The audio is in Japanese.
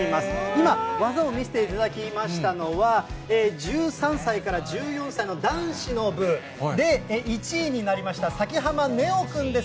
今、技を見せていただきましたのは、１３歳から１４歳の男子の部で１位になりました、崎浜寧王君です。